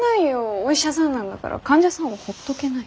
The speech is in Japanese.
お医者さんなんだから患者さんはほっとけないよ。